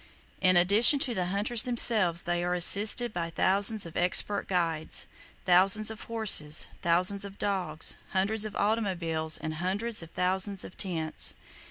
In addition to the hunters themselves, they are assisted by thousands of expert guides, thousands of horses, thousands of dogs, hundreds of automobiles and hundreds of thousands of tents.